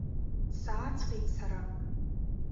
Сааҵҟьеит сара.